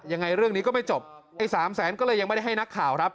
ยังไงเรื่องนี้ก็ไม่จบไอ้สามแสนก็เลยยังไม่ได้ให้นักข่าวครับ